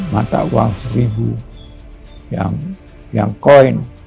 mata uang seribu yang koin